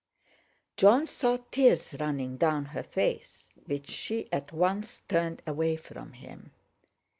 Jon saw tears running down her face, which she at once turned away from him.